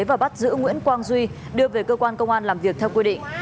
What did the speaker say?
và bắt giữ nguyễn quang duy đưa về cơ quan công an làm việc theo quy định